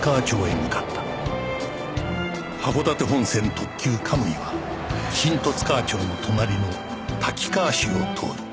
特急カムイは新十津川町の隣の滝川市を通る